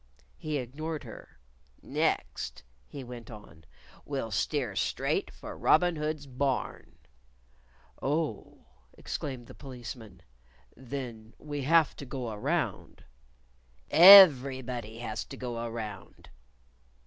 He ignored her. "Next," he went on "we'll steer straight for Robin Hood's Barn." "Oh!" exclaimed the Policeman "Then we have to go around." "_Every_body has to go around."